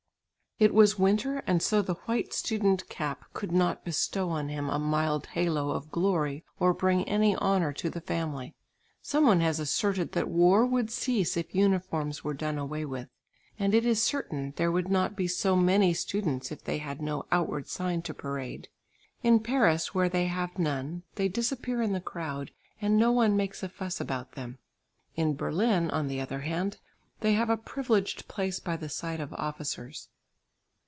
It was winter, and so the white student cap could not bestow on him a mild halo of glory or bring any honour to the family. Some one has asserted that war would cease if uniforms were done away with; and it is certain there would not be so many students if they had no outward sign to parade. In Paris where they have none, they disappear in the crowd, and no one makes a fuss about them; in Berlin on the other hand, they have a privileged place by the side of officers.